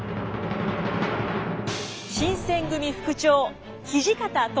新選組副長土方歳三です。